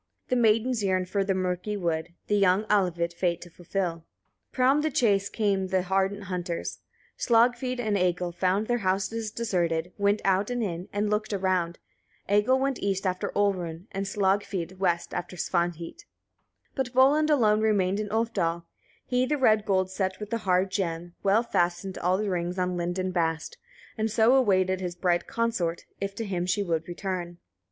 The maidens yearned for the murky wood, the young Alvit, fate to fulfil. 4. From the chase came the ardent hunters, Slagfid and Egil, found their house deserted, went out and in, and looked around. Egil went east after Olrun, and Slagfid west after Svanhvit; 5. But Volund alone remained in Ulfdal. He the red gold set with the hard gem, well fastened all the rings on linden bast, and so awaited his bright consort, if to him she would return.